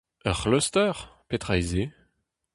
Ur c'hluster, petra eo se ?